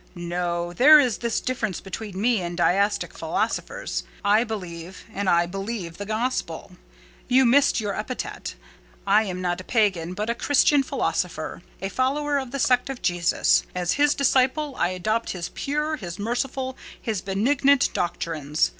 "No. There is this difference between me and deistic philosophers: I believe; and I believe the Gospel. You missed your epithet. I am not a pagan, but a Christian philosopher—a follower of the sect of Jesus. As His disciple I adopt His pure, His merciful, His benignant doctrines.